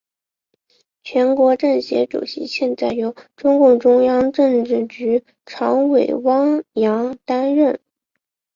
全国政协主席现在由中共中央政治局常委汪洋担任。